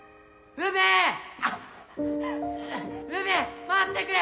梅待ってくれ！